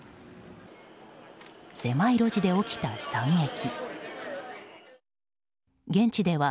狭い路地で起きた惨劇。